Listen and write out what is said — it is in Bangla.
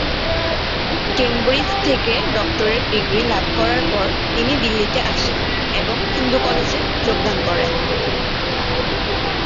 কেমব্রিজ থেকে ডক্টরেট ডিগ্রী লাভ করার পর, তিনি দিল্লীতে আসেন এবং হিন্দু কলেজে যোগদান করেন।